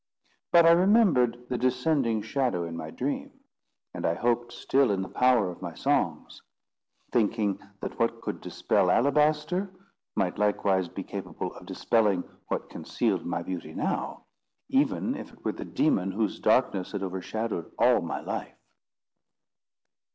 But I remembered the descending shadow in my dream. And I hoped still in the power of my songs; thinking that what could dispel alabaster, might likewise be capable of dispelling what concealed my beauty now, even if it were the demon whose darkness had overshadowed all my life.